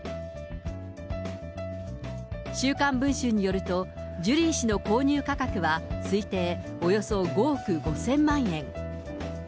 週刊文春によると、ジュリー氏の購入価格は推定およそ５億５０００万円。